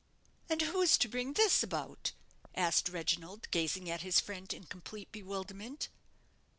"And who is to bring this about?" asked Reginald, gazing at his friend in complete bewilderment.